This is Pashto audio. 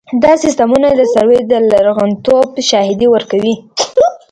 دا سیستمونه د سروې د لرغونتوب شاهدي ورکوي